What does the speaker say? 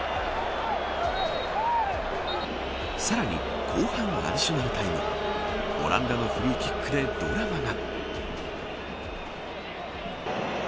さらに後半、アディショナルタイムオランダのフリーキックでドラマが。